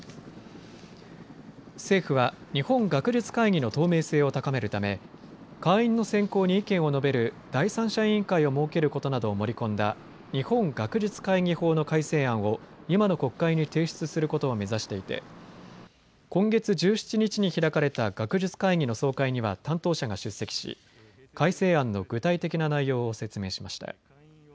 政府は日本学術会議の透明性を高めるため会員の選考に意見を述べる第三者委員会を設けることなどを盛り込んだ日本学術会議法の改正案を今の国会に提出することを目指していて今月１７日に開かれた学術会議の総会には担当者が出席し改正案の具体的な内容を説明しました。